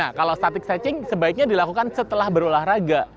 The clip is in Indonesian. nah kalau static setching sebaiknya dilakukan setelah berolahraga